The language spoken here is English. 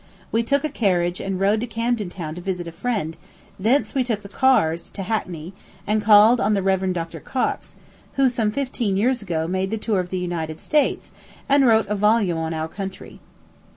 We took a carriage and rode to Camden town to visit a friend; thence we took the cars, to Hackney, and called on the Rev. Dr. Cox, who some fifteen years ago made the tour of the United States, and wrote a volume on our country.